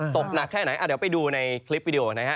ตกหนักแค่ไหนเดี๋ยวไปดูในคลิปวิดีโอนะฮะ